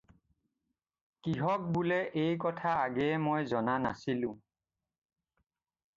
কিহক বােলে এই কথা আগেয়ে মই জনা নাছিলোঁ